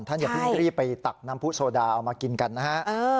ท่านจะรีบไปตักน้ำผู้โซดาเอามากินกันนะครับ